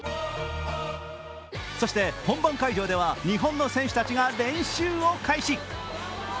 そして本番会場では、日本の選手たちが練習を開始。